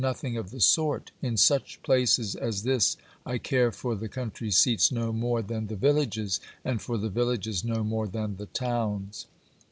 Nothing of the sort. In such places as this I care for the country seats no more than the villages, and for the villages no more than the towns.